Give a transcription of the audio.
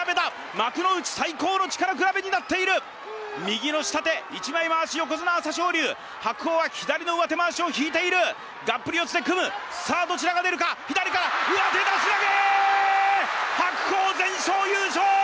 幕内最高の力比べになっている右の下手一枚まわし横綱・朝青龍白鵬は左の上手まわしを引いているがっぷり四つで組むさあどちらが出るか左から上手出し投げ白鵬全勝優勝！